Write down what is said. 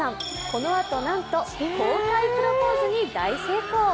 このあと、なんと公開プロポーズに大成功。